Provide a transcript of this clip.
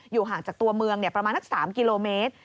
ห่างจากตัวเมืองประมาณนัก๓กิโลเมตร